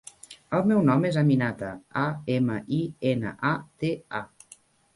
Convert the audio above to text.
El meu nom és Aminata: a, ema, i, ena, a, te, a.